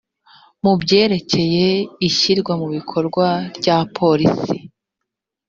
mu byerekeye ishyirwa mu bikorwa rya politiki